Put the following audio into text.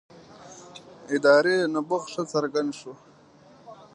ادارې نبوغ ښه څرګند شو.